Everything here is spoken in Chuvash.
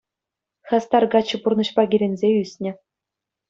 Хастар каччӑ пурнӑҫпа киленсе ӳснӗ.